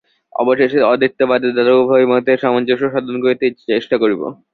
অবশেষে অদ্বৈতবাদের দ্বারা উভয় মতের সামঞ্জস্য সাধন করিতে চেষ্টা করিব।